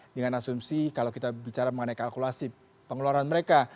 dengan asumsi kalau kita bicara mengenai kalkulasi pengeluaran mereka